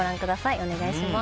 お願いします。